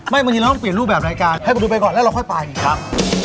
บางทีเราต้องเปลี่ยนรูปแบบรายการให้คุณดูไปก่อนแล้วเราค่อยไปอีกครับ